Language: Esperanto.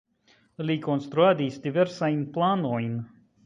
Li konstruadis diversajn planojn.